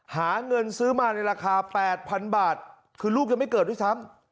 หาเงินซื้อมาในราคา๘๐๐๐บาทคือลูกยังไม่เกิดด้วยซ้ำ